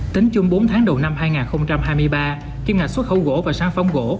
tính chung bốn tháng đầu năm hai nghìn hai mươi ba kim ngạch xuất khẩu gỗ và sản phẩm gỗ